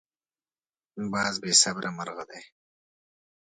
باز بې صبره مرغه دی